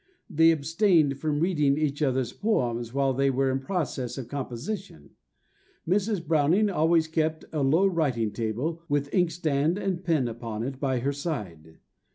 They abstained from reading each other's poems while they were in process of composition. Mrs. Browning always kept a low writing table, with inkstand and pen upon it, by her side.